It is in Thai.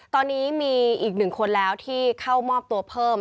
ตอนนี้มีอีกหนึ่งคนแล้วที่เข้ามอบตัวเพิ่ม